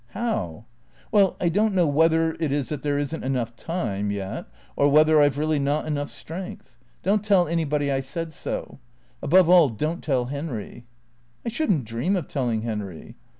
"How?" " Well, I don't know whether it is that there is n't enough time — yet, or whether I 've really not enough strength. Don't tell anybody I said so. Above all, don't tell Henry." " I should n't dream of telling Henry."